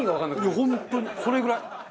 いや本当にそれぐらい。